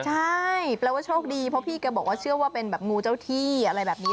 ใช่แปลว่าโชคดีเพราะพี่แกบอกว่าเชื่อว่าเป็นแบบงูเจ้าที่อะไรแบบนี้